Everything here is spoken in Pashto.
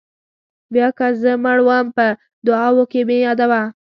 بیا که زه مړ وم په دعاوو کې مې یادوه.